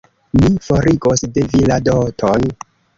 Mi forigos de vi la doton.